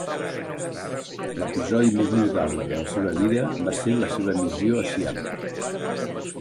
L'episodi més notable de la seva vida va ser la seva missió a Siam.